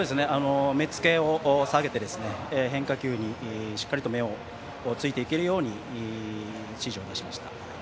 目付けを下げて変化球にしっかりと目をついていけるように指示を出しました。